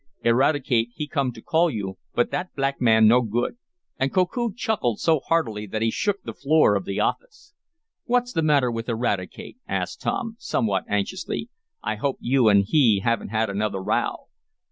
"Eradicate, he come to call you, but that black man no good!" and Koku chuckled so heartily that he shook the floor of the office. "What's the matter with Eradicate?" asked Tom, somewhat anxiously. "I hope you and he haven't had another row?"